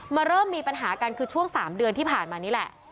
เริ่มมีปัญหากันคือช่วง๓เดือนที่ผ่านมานี่แหละ